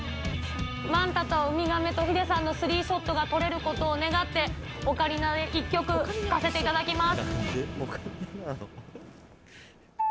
マンタとウミガメとヒデさんの３ショットが撮れることを願って、オカリナで１曲、吹かせていただきます。